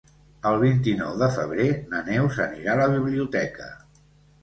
El vint-i-nou de febrer na Neus anirà a la biblioteca.